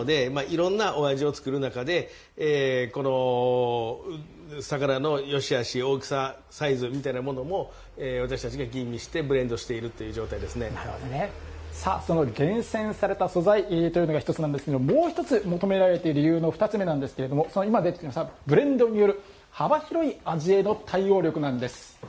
ブレンドするのでいろんなお味を作る中で魚のよしあし大きさ、サイズみたいなものも私たちが吟味してブレンドしているというさあ、その厳選された素材というのが１つなんですけれどももう１つ、求められている理由の２つ目なんですけれどもブレンドによる幅広い味への対応力なんです。